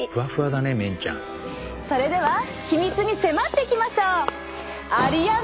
それでは秘密に迫っていきましょう！